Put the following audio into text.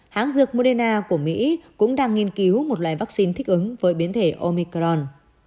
hãng dược moderna của mỹ cũng đang nghiên cứu một loại vaccine thích ứng với biến thể omicron